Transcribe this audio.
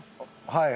はい。